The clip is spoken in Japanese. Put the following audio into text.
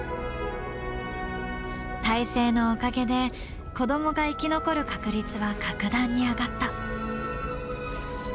胎生のおかげで子どもが生き残る確率は格段に上がった。